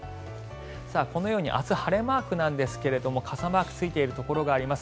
このように明日、晴れマークなんですが傘マークがついているところがあります。